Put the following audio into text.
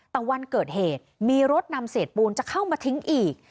แต่วันเกิดเหตุมีรถนำเศษปูนจะเข้ามาทิ้งอีก